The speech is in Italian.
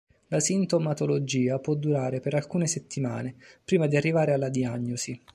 La sintomatologia può durare per alcune settimane, prima di arrivare alla diagnosi.